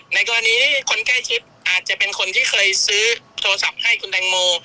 ในกรณีที่คนใกล้ชิดอาจจะเป็นคนที่เคยซื้อโทรศัพท์ให้คุณแตงโม